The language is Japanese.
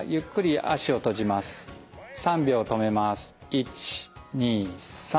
１２３。